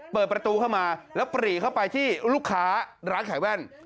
เปิดประตูเข้ามาแล้วปรีเข้าไปที่ลูกค้าร้านขายแว่น